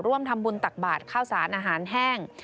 ร่วมทำบุญตักบาทข้าวสารอาหารแห้ง